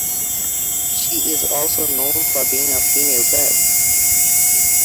She is also known for being a female bass.